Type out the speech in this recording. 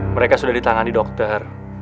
mereka sudah ditangani dokter